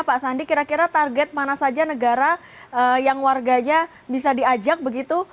pak sandi kira kira target mana saja negara yang warganya bisa diajak begitu